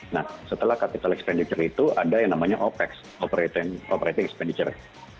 nah setelah capital expenditure itu ada yang namanya opex operating expenditure